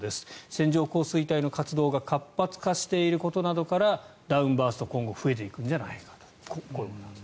線状降水帯の活動が活発化していることなどからダウンバースト、今後増えていくんじゃないかと。